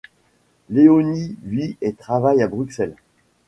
Léonie vit et travaille à Bruxelles.